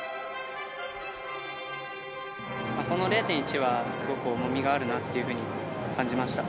この０．１はすごく重みがあるなっていうふうに感じました。